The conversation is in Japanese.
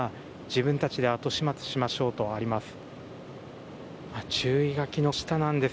自分たちで後始末しましょうとあります。